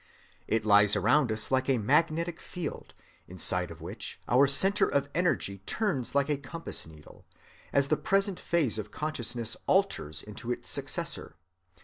It lies around us like a "magnetic field," inside of which our centre of energy turns like a compass‐needle, as the present phase of consciousness alters into its successor.